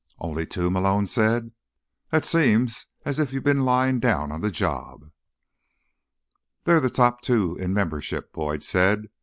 "Only two?" Malone said. "That seems as if you've been lying down on the job." "They're the top two in membership," Boyd said.